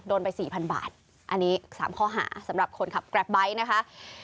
ไป๔๐๐บาทอันนี้๓ข้อหาสำหรับคนขับแกรปไบท์นะคะ